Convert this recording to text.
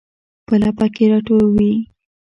په لپه کې راټوي